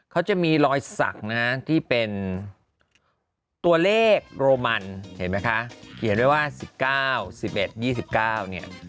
เขาจะมีรอยสักนะฮะที่เป็นตัวเลขโรมันเห็นไหมคะเขียนไว้ว่า๑๙๑๑๒๙เนี่ย